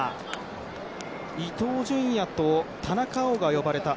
伊東純也と田中碧が呼ばれた。